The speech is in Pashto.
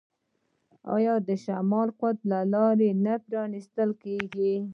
آیا د شمالي قطب لارې نه پرانیستل کیږي؟